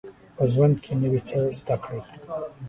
په ژوند کي نوی څه زده کړئ